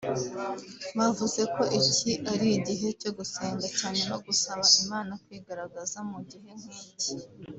bavuze ko iki ari igihe cyo gusenga cyane no gusaba Imana kwigaragaza mu gihe nk’iki